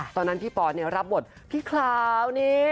ตอนนั้นพี่ปอนรับบทพี่คราวนี้